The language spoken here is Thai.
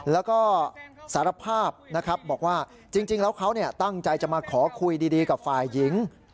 แล้วก็สารภาพนะครับบอกว่าจริงแล้วเขาตั้งใจจะมาขอคุยดีกับฝ่ายหญิง